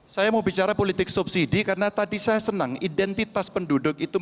saya mau bicara politik subsidi karena tadi saya senang identitas penduduk itu